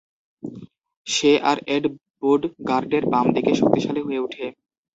সে আর এড বুড গার্ডের বাম দিকে শক্তিশালী হয়ে উঠে।